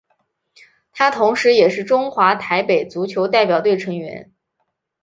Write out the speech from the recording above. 他同时也是中华台北足球代表队成员。